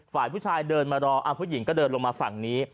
ฝ่ายผู้ชายเดินมารอผู้หญิงก็เดินลงมาฝั่งนี้